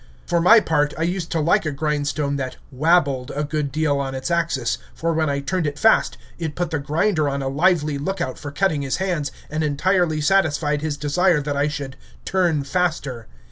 For my part, I used to like a grindstone that "wabbled" a good deal on its axis, for when I turned it fast, it put the grinder on a lively lookout for cutting his hands, and entirely satisfied his desire that I should "turn faster."